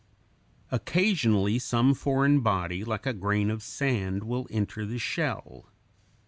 Occasionally some foreign body, like a grain of sand, will enter the shell.